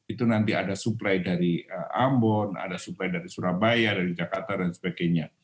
itu nanti ada suplai dari ambon ada supply dari surabaya dari jakarta dan sebagainya